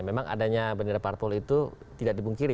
memang adanya bendera parpol itu tidak dipungkiri